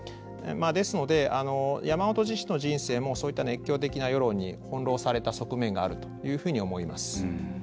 ですので山本自身の人生もそういった熱狂的な世論に翻弄された側面があると思います。